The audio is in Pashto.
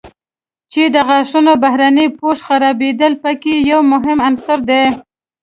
چې د غاښونو بهرني پوښ خرابېدل په کې یو مهم عنصر دی.